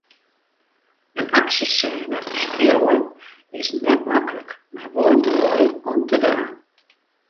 In aksjesêne skriuwe is net maklik, mar wol moai om te dwaan.